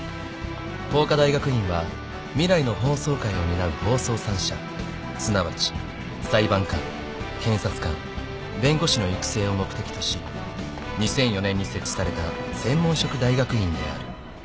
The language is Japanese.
［法科大学院は未来の法曹界を担う法曹三者すなわち裁判官検察官弁護士の育成を目的とし２００４年に設置された専門職大学院である］